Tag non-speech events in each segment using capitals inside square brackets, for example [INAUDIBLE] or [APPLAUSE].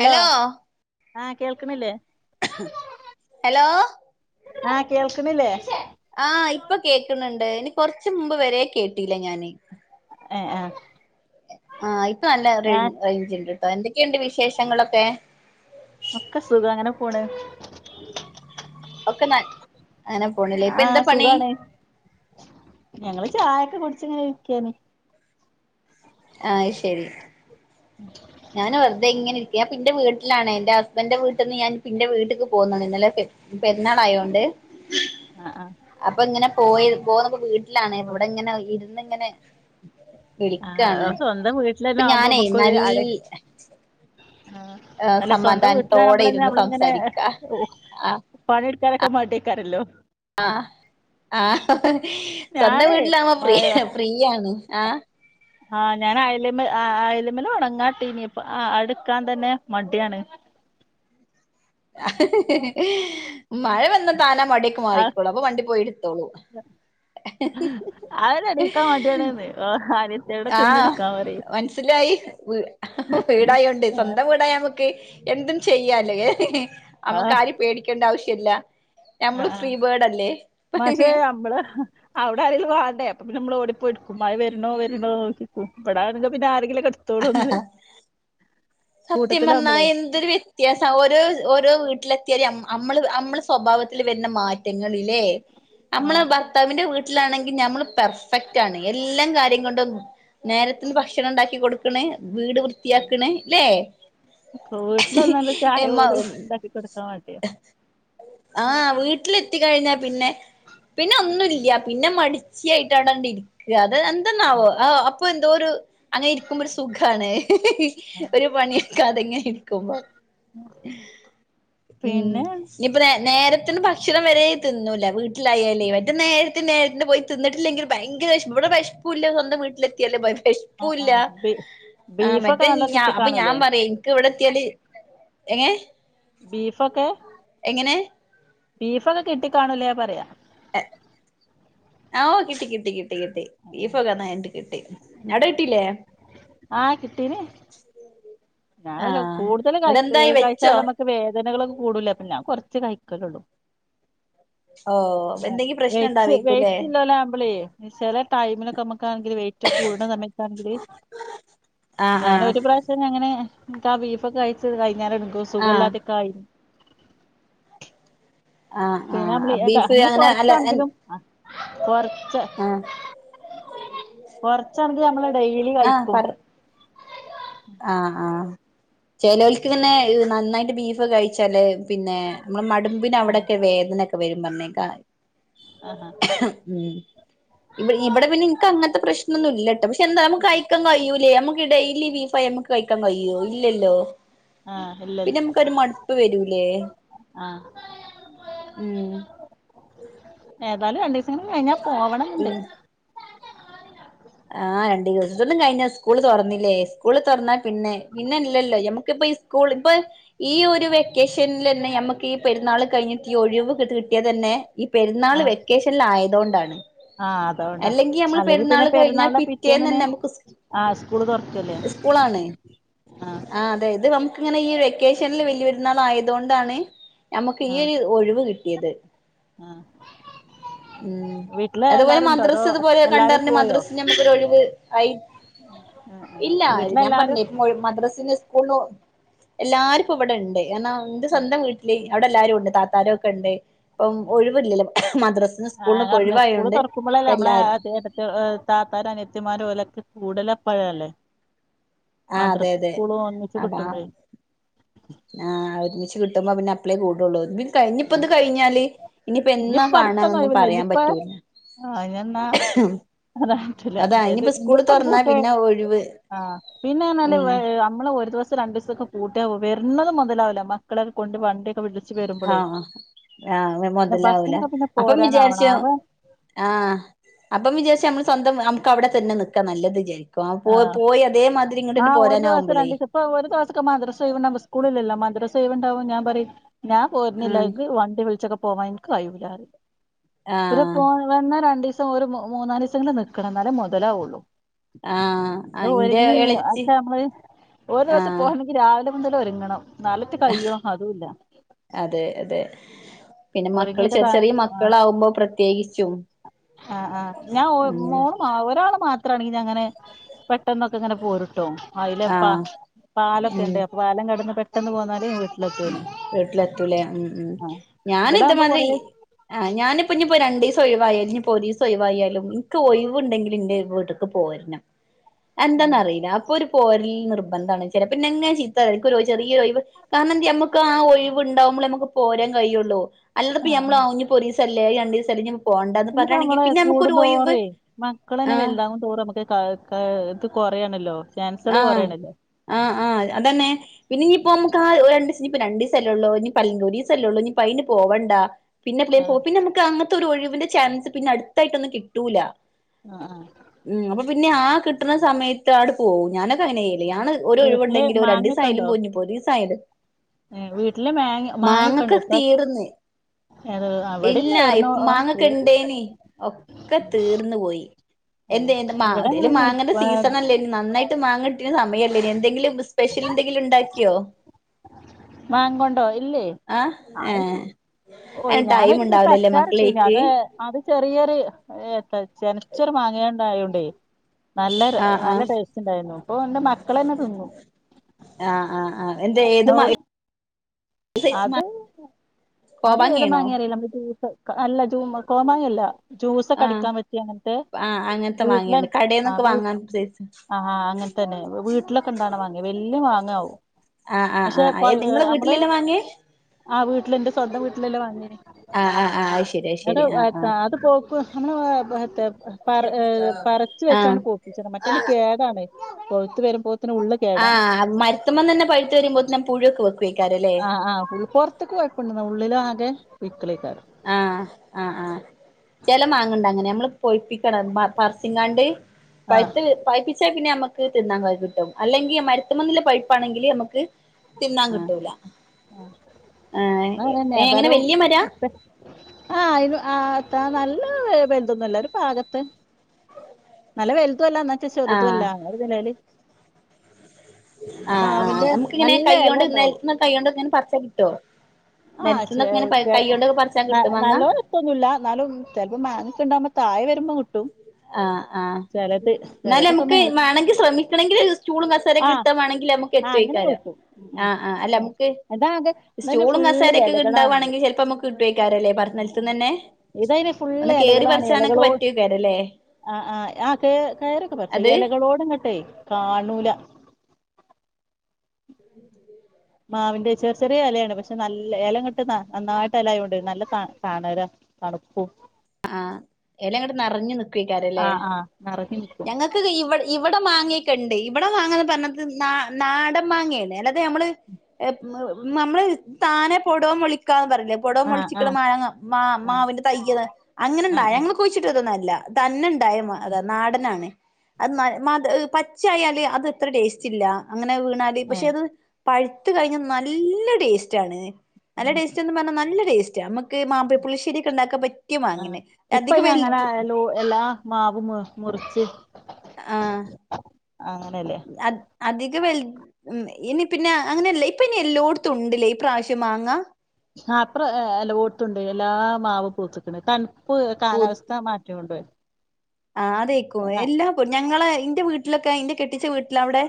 Hello ആ കേൾക്കണില്ലേ? Hello ആ കേൾക്കണില്ലേ? ആ ഇപ്പൊ കേക്കണെണ്ട് ഇനി കൊറച്ച് മുമ്പ് വരെ കേട്ടില്ല ഞാന് ഏ ആ ആയി നല്ല റെയി റേഞ്ചിണ്ടിട്ടാ [UNINTELLIGIBLE] കെ ണ്ട് വിശേഷങ്ങളൊക്കെ. ഒക്ക സുഖം അങ്ങനെ പോണ് ഒക്ക ന അങ്ങനെ പോണില്ലേ ഇപ്പൊ എന്താ ആഹ് പണി സുഖാണ് ഞങ്ങള് ചായൊക്കെ കുടിച്ചിങ്ങനെ ഇരിക്കന്നേ ആയ് ശരി [INAUDIBLE] ഞാൻ വെറുതെ ഇങ്ങനെയിരിക്ക ന്റെ വീട്ടിലാണ് എന്റെ ഹസ്ബൻ്ന്റെ വീട്ടിൽ നിന്ന് ഞാൻ ന്റെ വീട്ടിക്ക് പോന്ന് ഇന്നലെ പെുന്നാൾ ആയതോണ്ട് ആഹ് അപ്പൊ ഇങ്ങനെ പോയി പോന്നപ്പ വീട്ടിലാണെ, ഇവിടെ ഇങ്ങനെ ഇരിനിങ്ങനെ ആഹ സ്വന്തം ഇപ്പൊ വീട്ടിലന്നെ ആവുമ്പോ ഞാനേ മുക് രു [UNINTELLIGIBLE] ഏർ സ്വന്തം വീട്ടിലാണ് സമാധാനത്തോടെ നമ്മളന്നെ ഇരുന്ന് നമ്മളിങ്ങനെ സംസാരിക്ക ആ [UNINTELLIGIBLE] മടിയെക്കരല്ലോ ആ ആ സ്വന്തം ഞാനേ വീട്ടിലാമ്മ ഫീ ഫീയാണ് ആ ആ ഞാൻ അയല അയലമ്മൽ ഉണങ്ങാട്ട ഇനിപ്പ അടുക്കാൻ തന്നെ മടിയാണ് മഴ വന്ന താനാ മടിയൊക്കെ ആഹ് മാറിക്കോളു അപ്പൊ വണ്ടി പോയിടുത്തോളൂ അതെന്നെ എണീക്കാൻ മടിയാണ്ന്ന് ഓഹ് അനിയത്തിയോടൊക്കെ ആ ഇങ്ങനെ എടുക്കാൻ പറയും മനസിലായി വീടായോണ്ട് ആഹ് സ്വന്തം വീടായ നമുക്ക് എന്തും ചെയ്യാലേ [UNINTELLIGIBLE] നമുക്ക് ആരേം പേടിക്കേണ്ട ആവശ്യല്ല ആഹ് ഞമ്മള് ആഹ് ഫ്രീ ബേർഡ് അല്ലേ മാഷേ അമ്മള് അവിടെ ആരെങ്കിലും വാണ്ടേ അപ്പ പിന്നെ നമ്മൾ ഓടി പ്പടുക്കും മഴ വരണോ വര്ണോ നോക്കി നിക്കും ഇവിടെ ആണെങ്ക് പിന്നെ ആരെങ്കിലും എടുത് ത്തോടൊന്നല്ല സത്യം പറഞ്ഞാ എന്തൊരു വ്യത്യാസാ ഓരോ ഓരോ വീട്ടിലെത്തിയാതി അമ്മ അമ്മള് അമ്മളെ സ്വഭാവത്തിൽ വരുന്ന മാറ്റങ്ങള് ല്ലേ ആ നമ്മള് ഭർത്താവിന്റെ വീട് ട്ടിലാണെങ്കിൽ നമ്മൾ പെർഫെക്റ്റ് ആണ് എല്ലാം കാര്യം കൊണ്ടും നേരത്തിന്ന് ഭക്ഷണം ഉണ്ടാക്കി കൊടുക്കണ് വീട് വൃത്തിയാക്കണ് ല്ലേ വീട്ടിലൊന്നാണ്ട് ചായ പോലും ഉണ്ടാക്കി കൊടുക്കാൻ മടിയാ ആഹ് വീട്ടിലെത്തിക് കഴിഞ്ഞാൽ പിന്നെ പിന്നെ ഒന്നും ഇല്ല്യ പിന്നെ മടിച് ച്ചിയായിട്ട് അവിടങ്ങടിരിക്കാ ത് ആ. എന്തന്നാവോ അ അപ്പൊ എന്തോ ഒരു അങ്ങനെ ഇരിക്കുമ്പോ ഒരു സുഖാണ് പണിയെടുക്കാതെ ഇങ്ങനെ ഇരിക്കുമ്പോ, ഉം പിന്നെ ഇനിയിപ്പോ നേരത് നേരത്തിന് ഭക്ഷണം വരെ തിന്നൂല്ല വീട്ട് ലായാല്ലേ മറ്റ് നേരത്തിന് നേര പിന്നെ പോയി തിന്നിട്ടില്ലെങ്കിൽ ഭയങ്കര വെശപ്പ് ഇവിടെ വെശപ്പും ഇല്ല സ്വന്തം വീട്ടിലെത്തിയാല്ലേ ഭ ആ ആ ശപ്പൂല്ല ബീ- ആ ബീഫൊക്കെ മറ്റ് നല്ല കിട്ടി അപ്പ ഞാൻ കാണൂലേ പറയാ ഇൻക്ക് ഇവിടെ ത്തിയാല് എങ്ങെനെ ബീഫൊക്കെ ബീഫൊക്കെ കിട്ടിക്കാണൂലേ പറയാ ആ ഓ കിട്ടി കിട്ടി ചെയ്യട്ടെ ബീഫൊക്കെ [UNINTELLIGIBLE] കിട്ടി ഉം അവിടെ കിട്ടീല്ലേ ആഹ് കിട്ടീന് ആ ഞാവല്ലോ കൂടുതല് എന്നിട്ട് കയ്ച് എന്തായി വെച്ചോ കഴിച്ചാമ്ക്ക് വേദനകള് കൂടൂലെ അപ്പൊ ഞാൻ കുറ- ച് കഴിക്കലൊള്ളൂ ഓ ആ എന്തെങ്കിലും പ്രശ്നം വേയ്ച് ഉണ്ടാവേക്കൂല്ലേ വേറ്റില്ലലാമ്പളേ ചെല ടൈമിനൊക്കെമ്മക്ക് ക്കാങ്കെല് വേറ്റ് കൂടണ സമയത്താണെങ്കില് ആ ആ ഞാനൊരു പ്രാവശ്യം അങ്ങനെ- ബീഫ് കഴിച്ചത് കയി- ഞാന [UNINTELLIGIBLE] ആ സുഖല്ലാത്തേകായി ആഹ് പിന്നെ ആഹ് അ ബീഫ് അനെ അല്ല എൻ പോആറ് [UNINTELLIGIBLE] ച് കൊറച്ചാണങ്കി അമ്മള് ഡെയ്ലി ആ കയ്ക്കും പറ ആഹ് ആഹ് ചെലോല് പിന്നെ ഈ നന്നായിട്ട് ബീഫ് കഴിച്ചാല് പിന്നെ മ്മളെ മടുമ്പിന് അവിടൊക്കെ വേദനൊക്ക വരും മ് പറഞ്ഞേക്കാ ആഹാ ഉം ഇവ് ഇവിടെ പിന്നെ ഇന്ക്കങ്ങത്തെ പ്രശ്നൊന്നുല്ല [UNINTELLIGIBLE] ക്ഷെന്താ അമ്മക്കയിക്കാൻ കയ്യൂലെ അമ്മക്ക് ഡെയിലി ബീഫ് [UNINTELLIGIBLE] അമ്മക്ക് കഴിക്കാൻ കയ്യോ ഇല്ലല്ലോ ആഹ് ഇല്ലല്ല പിന്നെ അമ്മക്കൊരു മടുപ്പ് വരൂ ലേ ആഹ് ഏതാലും രണ്ടീസ [UNINTELLIGIBLE] കഴിഞ്ഞാ പോവണംന്ന്ണ്ട് ആ രണ്ടി ദൊസോലു കഴിഞ്ഞാ സ്കൂള് തൊറന്നില്ലേ സ്കൂള് തൊറന്നാ പിന്നെ പിന്നെ ഇല്ലല്ലോ യമ്മക്ക്പ്പ ഈ സ്കൂള് ഇപ്പ ഈ ഒരു വെക്കേഷന്ലന്നെ ഞമ്മക്കീ പെരുന്നാള് കഴിഞ്ഞിട്ട് ഈ ഒഴിവ് കിട്ടിയതന്നെ ഈ പെരുന്നാള് ആഹ് വെക്കേഷല് ആയതോണ്ടാണ് ആഹ് അതോണ്ടാ അല്ലെങ്കി അമ്മള് പിന്നെ പെരുന്നാള് ഞ്ഞാ പെരുന്നാളിന്റെ പിറ്റേന്നിന് പിറ്റേന്നന്നെ അമ്മക്ക് സ്ക് ആഹ് സ്കൂള് തൊറക്കല്ലേ സ്കൂളാണ് ആഹ് ആ അതേ ഇത് വം ക്ക്ങ്ങനെ ഈ വെക്കേഷന്ല് വെല്ല്യപെരുന്നാളായതോണ്ടാണ് ഞമ്മക്ക് ഈ ആഹ് ഒര് ഒഴിവ് കി യത് ആഹ് ഉം വീട്ടില് അതുപോലെ എല്ലാരുണ്ടോ അതോ എല്ലാരും പോയോ? ഇപ്പോരു ഒഴിവ് ആയി ഇല്ല ഞാൻ വീട്ടിലെല്ലാരും പറഞ്ഞില്ലേ [UNINTELLIGIBLE] മദ്ര [UNINTELLIGIBLE] സ്കൂളു എല്ലാർക്കും ഇവിടെ ഇണ്ട്. എന്നാ എന്റെ സ്വന്തം വീട്ടില് അവിടെ എല്ലാരും ഉണ്ട്, താത്താരൊക്കെ ഇണ്ട്. ഇപ്പം ഒഴിവില്ലല്ലോ മദ്രസന് ആഹ് സ്കൂളിനൊക്കെ പറഞ്ഞ സ്കൂള് ഒഴിവായൊണ്ട് തുറക്കുമ്പോളല്ലേ ഇപ്പ നമ്മളെ എല്ലാരും ഏട്ടത്തി താത്താരും അനിയത്തിമാരും ഓലൊക്കെ കൂടല് അപ്പോഴല്ലേ. ആ അതെ അതെ അപ്പ ആ ആ ഒരുമിച്ച് കി കിട്ടുമ്പോ പിന്നെ അപ്പളേ കൂടുള്ളു ഇതി കഴിഞ്ഞ ഇപ്പ ഇത് കഴിഞ്ഞാല് ഇനിയിപ്പോ എന്നാ ഇനിയിപ്പ അടുത്തൊന്നും കാണാന്നൊന്നും പറയാൻ പറ്റൂല. ആ പറ്റൂല അതാ എത് ഇനിയിപ്പോ സ്കൂള് ഇഞ്ഞിപ്പോ തുറന്നാ പിന്നെ [UNINTELLIGIBLE] ഒഴിവ് ആ പിന്നെയെന്ന് ഉം പറഞ്ഞാല് നമ്മള് ഒരു ദിവസം രണ്ടു ദിസോക്കെ കൂട്ടി വരുന്നത് മൊതലാവില്ല മക്കളൊക്കെ കൊണ്ട് വണ്ടി ആ ആ ആ മൊത് പിന്നെ മുതലാവൂല ബസ്സിനൊക്കെ പിന്നെ അപ്പം വിചാരിച്ച് പോരാനാവണം അവ ആ അപ്പം വിചാരിച്ച് നമ്മള് സ്വ നമുക്ക് അവിടെതന്നെ നിക്കാ നല്ലത് വിചാരി പോ പോയി അതേ മാതി ആഹ് ഒരു ദിവസം രണ്ട് ദിവസം ഇപ്പം ഒരു ദിവസക്ക് മദ്രസവ്ണ്ടാവുമ്പോ സ്കൂിൽ ഇല്ലല്ലോ മദ്ര [UNINTELLIGIBLE] ഒഴിവുണ്ടാവും ഞാൻ പറയും ഞാൻ ആഹ് പോരുന്നില്ലെനിക്ക് വണ്ടി വിളിച്ചൊക്ക പോവാൻ എനിക്ക് കഴിയൂല റയും ഇവര് ആഹ് പോ വന്നാ രണ്ട് ദി ഒരു മൂന്നാലുസെങ്കിലും നിൽ- നിക്കണം എന്നാലേ മൊതലാവുള്ളു ആഹ് ഇത് അയിന്റെ ഒരുങ്ങി എളച്ചി പക്ഷെ നമ്മള് ഒരു ദിസം ആഹ് പോണെങ്കി രാവി മുതലൊരുങ്ങണം അതെ അതെ പിന്നെ മക്കള് ഒരുങ്ങിയൊക്കെ ചെറി താ ചെറിയ ആ മക്കളാവുമ്പോ പ്രത്യേകിച്ചും ആ ആ ഞാഒ ഉം മോള് മ ഒരാള് മാ ത്രാണെങ്കി ഞാ ങ്ങനെ പെട്ടെന്നൊക്കെ ഇങ്ങനെ പോരുട്ടോ അയിലെ പ്പ ആഹ് പാലൊക്കെ ഉണ്ട് അപ്പൊ പാലം കടന്ന് പെ പെട്ടെന്ന് പോന്നാല് വീട്ടിലെത്തുവായിരുന്നു ഉം വീട്ടിലത്തുലേ ഉം ഉം ആഹ് ഞാൻ ഇതിലാവുമ്പോ കൊറേ ഇതുമാതിരി ആഹ് ഞാൻ ഇനിയിപ്പോ പോയി. [UNINTELLIGIBLE] ഒഴിവായാലും ഇനി പോലീസ് ഒഴിവായാലും ഇനിക്ക് ഒഴിവ് ഉണ്ടെങ്കിൽ എന്റെ വീട്ടക്ക് പോരണം. എന്താന്ന് അറിയില്ല അപ്പൊ ഒരു. പോരല് നിർബന്ധമാണ് ചിലപ്പോ ഇങ്ങനെ ചീത്ത പറയും അനക്കൊരു ചെറിയ ഒഴിവ്. കാരണം എ നമ്മുക്ക് ആ ഒഴിവുണ്ടാവകുമ്പോളേ നമുക്ക് പോരാൻ കഴിയുള്ളൂ. [UNINTELLIGIBLE] സല്ല രണ്ടി സല്ലെ ഇഞ്ഞ് ഇഞ്ഞിപ്പ ഞമ്മള് കുടുന്തോറെയ് മക്കളെന്നെ ആഹ് വെൽതാവുന്തോറും അമ്മക്കത് [UNINTELLIGIBLE] കൊറയാണല്ലോ ചാൻസുകള് ആഹ് കൊറയാണല്ലോ ആഹ് ആഹ് അതന്നെ പിന്നെ ഇപ്പൊ നമുക്കാ ഒര് രണ്ടിസ് ഇഞിപരണ്ടില്ലെ ഒള്ളു ഇഞ്ഞിപ്പല്ലെങ്കി ഒരീസല്ലൊള്ളൂ ഇനിപ്പയ്ന് പോവണ്ടാ പിന്നെ പിലേ പോ ആഹ് പിന്നെമ്മക്കങ്ങൻത്തെ ഒരു ഒഴവിന്റെ ചാൻസ് പിന്നെ അടുത്തായിട്ട്യൊന്നും കിട്ടൂല ആഹ് ആഹ് ഉം അപ്പൊ പിന്നെ ആ കിട്ട്ണ സമയത്ത് അടു പോവും ഞാന് അങ്ങനെ ചെയ്യില്ല ഒരു വീട്ടില് ഒഴിവുണ്ടെങ്കിലും മാങ്ങൊക്കെ രണ്ടീസായാലും ഉണ്ടോ പൊ ഉഞ്ഞൊരീസായാലും ഏഹ് വീട്ടില് മാങ്ങ മാങ്ങൊക്കെ ഉണ്ടോ ഇപ്രാവശ്യം തീർന്ന് അത് അവിടെയും ഇല്ല ഇ നേർന്നു മാങ്ങക്കെ ഇണ്ടേനി ഒക്കെ തീർന്ന് പോയി എന്തേ ഇവിടെ അങ്ങനെന്നെ മാങ്ങന്റെ സീസണല്ലേ നന്നായിട്ട് മാങ്ങിട്ടിന് സമയല്ലേനോ എന്തങ്കിലും സ്പെഷ്യൽ എന്തെങ്കിലും ഉണ്ടാക്കിയോ മാങ്ങൊണ്ടോ ഇല്ലേ ആഹ് ആ ഏഹ് ഓയ് അയിന് ഞാനൊ ടൈം ദിവസം ഉണ്ടാവൂലല്ലേ അച്ചാർഇട്ട് മക്കളേറ്റ് അത് അത് ചെറിയരു ചെനച്ചൊറ് മാങ്ങയോണ്ടായോണ്ടേ നല്ല ആഹ് നല്ല ആഹ് ടേസ്റ്റ് ഉണ്ടായിരുന്നു ഇപ്പൊ എന്റെ മക്കളെന്നെ തിന്നു ആഹ് ആഹ് ആഹ് എന്ത് ഏത് മാ ഏത് സൈസ് മാ ‌അത് അത് ഏത് കോവാങ്ങേണോ മാങ്ങേന്നറീല്ല [UNINTELLIGIBLE] അല്ല ജ കോമാങ്ങാ അല്ല ജ്യൂസൊക്കെ ആഹ് അടിക്കാൻ പറ്റിയ അങ്ങൻത്തെ ആഹ് അങ്ങനത്തെ വീട്ടിലെ വാങ്ങിയണ്ട് ആ കടയിൽന്നൊക്കെ വാങ്ങാൻ സൈസ് ആ അങ്ങനത്തെന്നെ വീട്ടിലൊക്കെ ഇണ്ടാണ മാങ്ങേ വെല്ല്യ മാങ്ങായാവും ആഹ് ആഹ് പക്ഷെ പ ആഹ് നിങ്ങളെ നമ്മള് വീട്ടിലെല്ലാം വാങ്ങിയേ ആ വീട്ടില് ഇൻ്റെ സൊന്തം വീട്ടിലിലെ മാങ്ങേണ് ആഹ് ആഹ് ആഹ് അത് ശരി അത് എട ശരി ആഹ് ആഹ് അത് പോ [UNINTELLIGIBLE] [UNINTELLIGIBLE] ആഹ് പൗത്ത് വെര്മ്പോ ആഹ് മരുത്തമ്മ തന്നെ പഴുത്ത് വരുമ്പോ പുഴുക്കെ വെ ആഹ് ആഹ് പൊർത്ത്ക്ക് കൊയ്പണ്ട് ന്ന ഉള്ളിലാ [UNINTELLIGIBLE] ആഹ് ആഹ് ആഹ് ചെല മാങ്ങണ്ട് അങ്ങനെ ഞമ്മള് പൊയിപ്പിക്കണം പ പറചിങ്ങാണ്ട് ആ പയ്ത്ത് പയ്പിച്ച പിന്നെ നമ്മക്ക് തിന്നാൻ ക കിട്ടും അല്ലെങ്കിൽ മരുത്തുമ്മന്നിള്ള പയ്പ്പാണെങ്കിൽ അമ്മക്ക് തിന്നാൻ ആ കിട്ടൂല ആഹ് ങേ എങ്ങനെ വല്ല്യ മരാ ആഹ് ഇത് ആഹ് നല്ലേ വല്തൊന്നും അല്ല ഒരു ഭാഗത്ത് നല്ല വലി തു അല്ല എന്നച്ച ചേറുതു ആഹ് അല്ല ലാൽ ആഹ് ആഹ് നമ്ക്കിങ്ങനെ നല്ല കൈ ഇല കൊണ്ട് ഉണ്ടാവും നിന്നുനഞ്ഞ കൈ കൊണ്ട് ഇങ്ങനെ പറിച്ചേട് ട്ടോ ആഹ് ചെവ് ചെ ന കിട്ടോ മാങ്ങ നല്ലപോലെ എത്തൂന്നുല്ല എന്നാലും ചെലപ്പം മാങ്ങകെ ഉണ്ടാകുമ്പം തായെ വരുമ്പോ കിട്ടും ആഹ് ആഹ് ചിലത് എന്നാൽ ചിലതൊക്കെ നമുക്ക് മേൽ വേണമെങ്കിൽ ശ്രമിക്കണമെങ്കിൽ സ്റ്റൂളും ആ കസാരക്കെ കിട്ട് വേണമെങ്കിൽ നമുക്ക് ആ അങ്ങനെ എടുത്തുവക്യാല്ലോ കിട്ടും ഉം ഉം ആഹ് ആഹ് അല്ല ഇതാകെ ഇതിന് സ്റ്റൂളും ഫുള്ള് കസാരയൊക്കെക്കെ ഇലകളാണ് ഈ- ഉണ്ടാവുവാണെങ്കിൽ ചിലപ്പോ നമ്മുക്ക് കിട്ടുവായിരുക്കുവല്ലേ പറ നിലത്തന്ന് തന്നെ ഇതതിന് ഫുള്ള് ഒന്ന് കേറി പറിച്ചാനൊക്കെ പറ്റുവ വെക്കാരല്ലേ ആഹ് ആഹ് ആത് കേറിയൊക്കെ പറിചോ ഇലകളോടങ്ങ ട്ടെ കാണൂല [INAUDIBLE] മാവിന്റെ ചെ ചെറിയ ഇലയാണ് പക്ഷെ നല്ല ഇലങ്ങാട്ട് ന നല്ലയായിട്ട് ഇലയായോണ്ട് നല്ല തന്ന തണലാ തണുപ്പും ആഹ് എല ഇങ്ങട്ട നറഞ്ഞ് നിക്ക്യാക്കല്ലേ ആഹ് ആഹ് നറഞ്ഞു നിക്കും ഞങ്ങക്ക് ഇവ ഇവ് ഇവിടെ മാങ്ങൊക്കെ ഉണ്ട് ഇവിടെ മാങ്ങന്ന് പറഞ്ഞത് ന നാടൻ മാങ്ങയാണ് അല്ലാതെ നമ്മള് നമ്മള് താനെ പൊടവാൻ വിളിക്കാന്ന് പറ വേ പൊടൊ ആഹ് മുളിച്ചിക്കണ ആഹ് മങ്ങ മാ ആഹ് മാവിന്റെ തയ്യത് ആഹ് അങ്ങനെണ്ടാ ആഹ് ഞങ്ങള് കുയ്ച്ചിട്ടൊന്നുല്ല തന്നെണ്ട് ഡയമ് അതാ നാടന ആണ് അത് ന മധു പച്ച ആയല് അത് അത്ര ടേസ്റ്റ് ഇല്ല അങ്ങനെ വീണാൽ പക്ഷെ ഏഹ് അത് പഴുത്ത് കഴിഞ്ഞാ നല്ല ടേസ്റ്റാണ് നല്ല ടേസ്റ്റ് ന്ന് പറഞ്ഞ നല്ല ടേസ്റ്റ് അമ്മക്ക് മാമ്പപ്പുള്ളിശേരി കെ ഉണ്ടാക്കാ പറ്റിയ മാങ്ങ ഇപ്പൊ ഇന് അങ്ങനെ ലോ എല്ലാ മാവും മുറിച്ച് ആഹ്ആ അങ്ങനെയല്ലേ അത് അധിക വൽത് ഉം ഇനി പിന്നെ അങ്ങനെയല്ലേ ഇപ്പ ഇനി എല്ലോടത്തും ഉണ്ടല്ലേ ഈ പ്രാവശ്യം മാങ്ങ ആ്പ്പം എല്ലോത്തുണ്ട് എല്ലാ മാവ് പൂത്തക്ക്ണ് തണ് പ് കാലാവസ്ഥ മാറ്റം കൊണ്ടണ്ട് ആതേ അതേക്കുംഎല്ലാം ഞങ്ങളെ എന്റെ വീട്ടിലൊക്കെ ഇന്റെ കെട്ടിച്ച വീട്ടില അവിടെ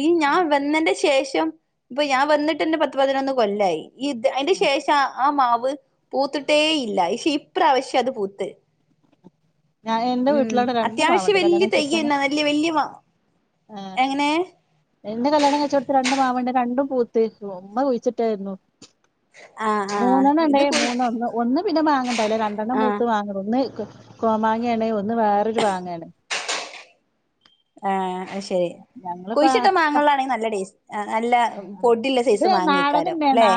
ഈ ഞാൻ വന്നന്റെ ശേഷം സത്യം ഇപ്പൊ ഞാൻ വന്നിട്ട്ന്റെ പത്ത് പതിനൊന്ന് കൊല്ലായി ഇത് അയിന്റെ ശേഷം ആ മാവും പൂത്തിട്ടേ ഇല്ല പക്ഷെ ഇപ്രവശ്യം അത് പൂത്ത് ഞാൻ എൻന്റെ ഉം വീട്ടിലോടെ രണ്ട് അത്യാവശ്യം മാവുണ്ട് കല്യാണ വല്യ കയ്ചോട്തന്നെ തയ്യന്നെ വല്യ വല്യ മാ ആ് എങ്ങനെ എന്റെ കല്യാണ കയ്‌ചോട്ത്ത് രണ്ട് മാവുണ്ട് രണ്ടും പൂത്തെര്ന്നു ഉമ്മ കുഴിച്ചിട്ടായിരുന്നു ആഹ് ആഹ് മൂന്നെണ്ണം ഇണ്ടേ ഇത് കുഴി മൂന്ന ഒന്ന് ഒന്ന് പിന്നെ മാങ്ങണ്ടായ്ല്ല രണ്ടെണ്ണം ആഹ് പൂത്ത് മാങ്ങ ഒന്ന് കോമാങ്ങയാണ് ഒന്ന് വേറൊരു മാങ്ങയാണേ ആ അത് ശരി കുഴിച്ചിട്ട മാങ്ങകളാണെങ്കിൽ നല്ല ടേസ്റ്റ് ആ നല്ല പൊടില്ല ഇത് സൈസ് മാങ്ങയ്ക്കാരല്ലേ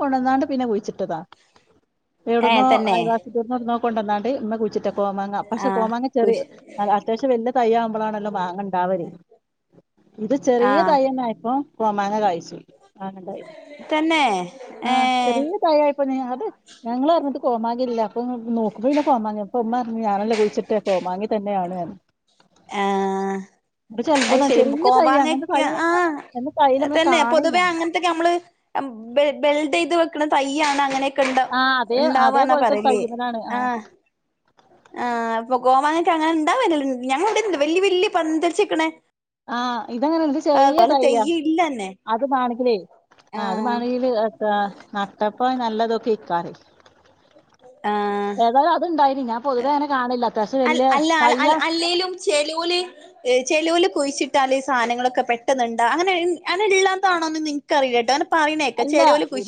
കൊണ്ടന്ന്ക്കാണ്ട് പിന്നെ കുഴിച്ചിട്ടതാ ഏഹ് വിടുന്നുോ തന്നെ ആയവാസി ഇന്ന് ഇടുന്നോക്ക കൊണ്ടന്നാണ്ട് ഉമ്മ കുയ്ചിട്ട കോമാങ്ങ പക്ഷെ ആഹ് കോമാങ്ങ കുഴി ചെറിയ അത്യാവശ്യം വലിയ തയ്യ ആകുമ്പോളാണല്ലോ മാങ്ങ ഒണ്ടാവര് ഉ ഇത് ചെറിയ ആഹ് തൈയ്യന്നെ ഇപ്പം കോമാങ്ങ കാഴിച്ചു ആണ്ടായി തന്നെ ആ ഏഹ് ചെറിയ തായായിപ്പോ അത് ഞങ്ങള് അറിഞ്ഞിട്ട് കോമാങ്ങില്ല അപ്പൊ നോക്കുമ്പന്നെ കോമാങ്ങ അപ്പൊ ഉമ്മ പറഞ്ഞു ഞാനല്ലേ കുഴിച്ചിട്ടേ കോമാങ്ങ തന്നെയാണ് എന്ന് ആ അത് ചെലപ്പോ ശരി ചെറിയ തൈ അങ്ങനത്തെ കോമാങ്ങക്ക തൈ ആ അങ്ങനത്തെ തൈ നമ്മള് തന്നെ കാണില്ല പൊതുവെ അങ്ങനത്തക്കെ നമ്മള് ബെൽഡി യ്ത്‌വെക്കുന്ന തൈയ്യാണ് അങ്ങനെ ണ്ട ആ അതേ ഉണ്ടവാന്നാ അതേപോലത്തെ ഒരു പറലേ തയ്യുമ്മലാണ് ആ ആഹ് അപ്പൊ കോമാങ്ങൊക്കെ അങ്ങനെ ഇണ്ടാവ ഞങ്ങണ്ട് വലിയ വല്യ പന്തലിച്ച് നിൽക്ക്ണെ ആ ഇതങ്ങനെന്ത് ചെറിയ തൈയാ തെയ്യ് ഇല്ലന്നെ അത് വേണെങ്കിലേ ആ അത് ആഹ് വേണെങ്കില് ത്താ നട്ട ഇപ്പൊ നല്ലതൊക്കെ ഇക്കാറ ആഹ് ഏതായാലും അത് ഉണ്ടായിന ഞാ പൊതുവേ അങ്ങനെ കാണില്ല അത്യാവശ്യം അ വല്യ അല്ല തയ്യാ അല്ലെലും ചെലൂല് ചെലൂല് കുഴിച്ചിട്ടാല് ഈ സാധനങ്ങളൊക്കെ പെട്ടന്ന് ഇണ്ടാവും അങ്ങനെ അതൊള്ളതാണോന്നൊന്നും എനിക്കറിയില്ലാട്ടോ അല്ല ഇ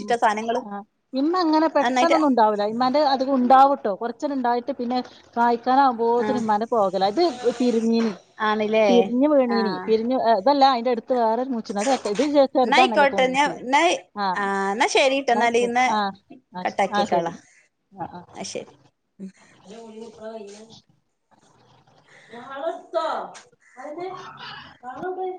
അ ഇമ്മ അങ്ങനെ നന്നായിട്ട് പെട്ടെന്നൊന്നും ഉണ്ടാവില്ല ഇമ്മാന്റെ അത് ഉണ്ടാവൂട്ടോ കൊറച്ചത് ഉണ്ടായി പിന്നെ കായ ന പോത്തിന് ആഹ് മന പോകലാഇത് പിരിഞ്ഞീനി ആണ്ല്ലേ പിരിഞ്ഞു വീണീനി ആഹ് പിരിഞ്ഞ ഇതല്ല അതിന്റെ അടുത്ത് ത് വേറൊരു മൂച്ചിന് അത് ഇത് ചെറുതാണല്ലോ തോന്നിച്ച് ആ എന്നാ ശരീട്ടൊ എന്നാലിന്ന് ആ ശ- ആ, ശരി കട്ടാക്കിക്കോളൊ ആ ശരി [UNINTELLIGIBLE] [UNINTELLIGIBLE] നാളെത്തുവോ അതെന്തേ കാണണൊണ്ട്